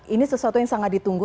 ini sesuatu yang sangat ditunggu